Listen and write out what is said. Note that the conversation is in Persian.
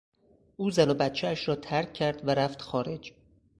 او زن و بچهاش را ترک کرد و رفت خارج.